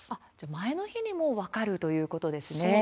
前の日に分かるということですね。